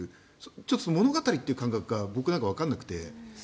ちょっと物語という感覚が僕はわからなくて。